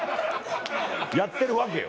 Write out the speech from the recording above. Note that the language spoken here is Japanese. やってるわけよ。